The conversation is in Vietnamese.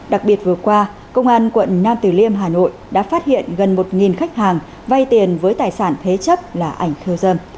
đặc biệt vừa qua công an quận nam từ liêm hà nội đã phát hiện gần một khách hàng vay tiền với tài sản thế chấp là ảnh khiêu dâm